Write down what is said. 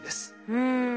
うん。